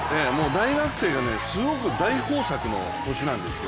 大学生がすごく大豊作の年なんですよ。